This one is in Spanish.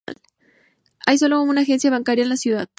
Hay solo una agencia bancaria en la ciudad.